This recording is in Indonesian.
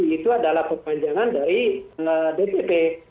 itu adalah perpanjangan dari dpp